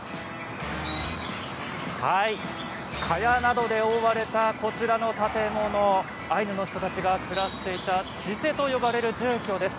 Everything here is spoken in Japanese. カヤなどで覆われたこちらの建物、アイヌの人たちが暮らしていたチセと呼ばれる住居です。